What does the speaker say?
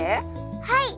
はい！